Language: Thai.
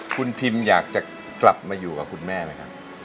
คุณทิมอยากจะกลับมาอยู่กับคุณแม่ไหมครับ